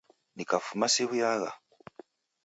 Nikafuma siw'uyagha!